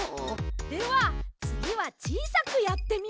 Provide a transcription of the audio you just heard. ではつぎはちいさくやってみましょう。